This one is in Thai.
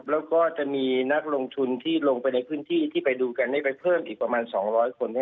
แล้วก็จะมีนักลงทุนที่ลงไปในพื้นที่ที่ไปดูกันไปเพิ่มอีกประมาณ๒๐๐คน